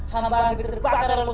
hamba terbakar oleh pembunuh